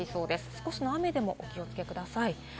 少しの雨でもお気をつけください。